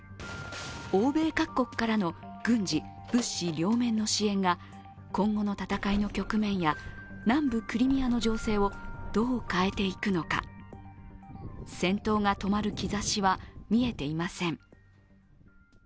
欧米各国からの軍事・物資両面の支援が今後の戦いの局面や南部クリミアの情勢をどう変えていくのか、戦闘が止まる兆しは見えていません。